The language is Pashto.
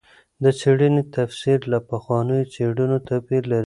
د څېړنې تفسیر له پخوانیو څېړنو توپیر لري.